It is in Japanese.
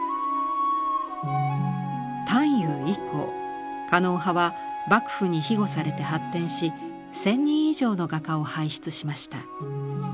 探幽以降狩野派は幕府に庇護されて発展し１，０００人以上の画家を輩出しました。